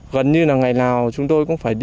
gần như ngày nào chúng tôi cũng phải đi